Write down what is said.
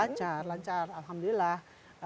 lancar lancar alhamdulillah